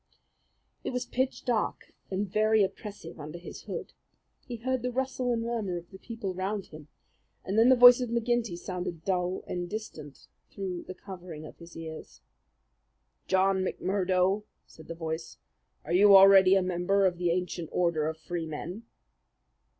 It was pitch dark and very oppressive under his hood. He heard the rustle and murmur of the people round him, and then the voice of McGinty sounded dull and distant through the covering of his ears. "John McMurdo," said the voice, "are you already a member of the Ancient Order of Freemen?"